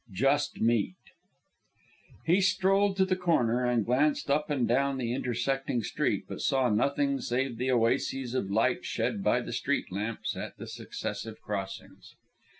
JUST MEAT He strolled to the corner and glanced up and down the intersecting street, but saw nothing save the oases of light shed by the street lamps at the successive crossings.